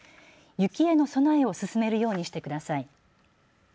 雪への備えを進めるようにしてください。